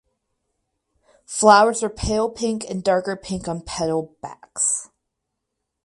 Flowers are pale pink and darker pink on petal backs.